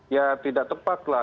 ya tidak tepat lah